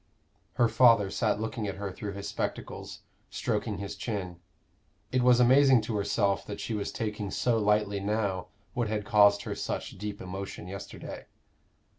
Her father sat looking at her through his spectacles, stroking his chin. It was amazing to herself that she was taking so lightly now what had caused her such deep emotion yesterday.